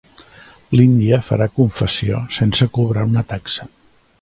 L'Índia farà confessió sense cobrar una taxa.